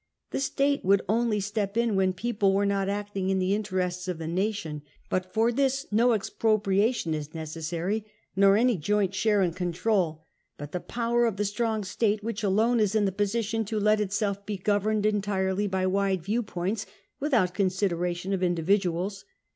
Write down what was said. The State would only step in when people were not acting in the interests of the nation. But for this no expropriation is necessary, nor any joint share in control, but the power of the strong State, which alone is in the position to let itself be governed entirely b^ wide viewpoints without consideration of individuals.